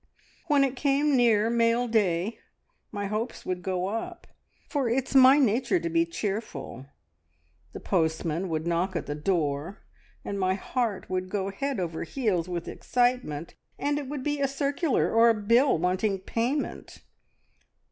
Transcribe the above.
"When it came near mail day my hopes would go up, for it's my nature to be cheerful. The postman would knock at the door, and my heart would go head over heels with excitement, and it would be a circular, or a bill wanting payment.